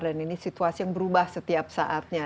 dan ini situasi yang berubah setiap saatnya